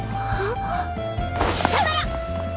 さよなら！